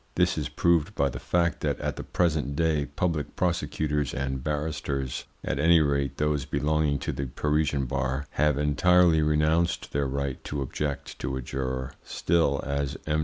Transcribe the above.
This is proved by the fact that at the present day public prosecutors and barristers, at any rate those belonging to the Parisian bar, have entirely renounced their right to object to a juror; still, as M.